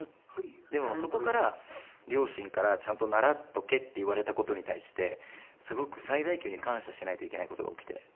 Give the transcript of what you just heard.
でもそこから両親からちゃんと習っとけって言われた事に対してすごく最大級に感謝しないといけない事が起きて。